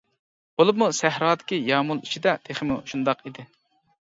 بولۇپمۇ سەھرادىكى يامۇل ئىچىدە تېخىمۇ شۇنداق ئىدى.